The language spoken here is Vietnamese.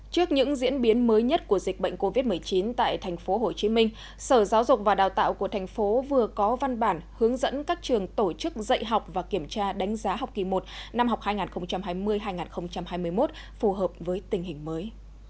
trước những diễn biến mới nhất của dịch bệnh covid một mươi chín tại tp hcm sở giáo dục và đào tạo của thành phố vừa có văn bản hướng dẫn các trường tổ chức dạy học và kiểm tra đánh giá học kỳ một năm học hai nghìn hai mươi hai nghìn hai mươi một phù hợp với tình hình mới